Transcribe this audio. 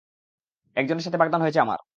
একজনের সাথে বাগদান হয়েছে আমার।